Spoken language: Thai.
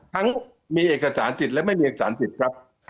ทั้งมีเอกสารสิทธิ์และไม่มีเอกสารสิทธิ์ครับ